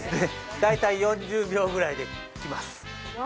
大体４０秒くらいで来ます。